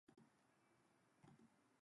Jean M. Spray.